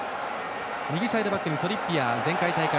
右サイドバックにトリッピアー前回大会